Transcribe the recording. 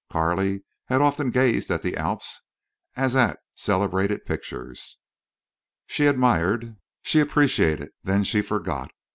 Carley had often gazed at the Alps as at celebrated pictures. She admired, she appreciated—then she forgot.